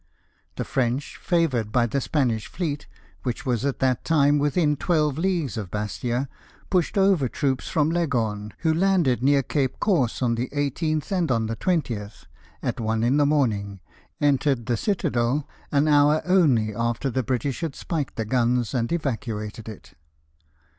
The French, favoured by the Spanish fleet, which was at that time within twelve leagues of Bastia, pushed over troops from Leghorn, who landed near Cape Corse on the 18th, and on the 20th, at one in the morning, entered the citadel, an hour only after the British had spiked the guns and evacuated it.